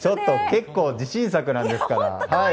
結構、自信作なんですから。